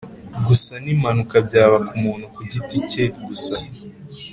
Gusa n impanuka byaba ku muntu ku giti cye gusa